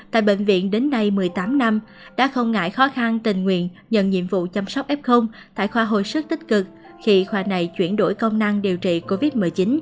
tại bệnh viện đến nay một mươi tám năm đã không ngại khó khăn tình nguyện nhận nhiệm vụ chăm sóc f tại khoa hồi sức tích cực khi khoa này chuyển đổi công năng điều trị covid một mươi chín